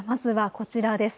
まずはこちらです。